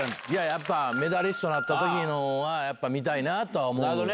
やっぱメダリストになった時のは見たいなとは思うよね。